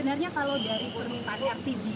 sampai dengan proses dia akan kembali lagi ke